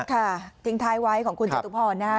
ค่ะทิ้งท้ายไว้ของคุณจตุพรนะฮะ